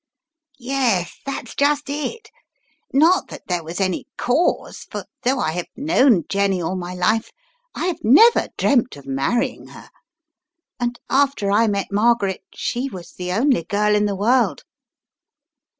"Yes, that's just it. Not that there was anf cause, for though I have known Jenny all my life, I have never dreamt of marrying her. And after I met Margaret, she was the only girl in the world!"